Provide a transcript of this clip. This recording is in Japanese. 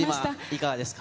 いかがですか。